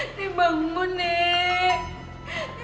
nenek bangun nek